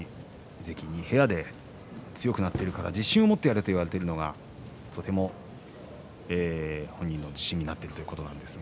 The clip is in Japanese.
関に部屋で強くなっているから自信を持ってやれと言われているのがとても本人の自信になっているということです。